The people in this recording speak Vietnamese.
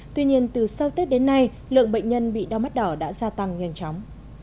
tuy nhiên từ sau tết đến nay lượng bệnh nhân bị đau mắt đỏ đã gia tăng nhanh chóng